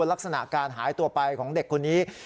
ลักษณะการหายตัวไปของเด็กคนนี้